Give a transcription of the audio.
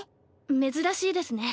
珍しいですね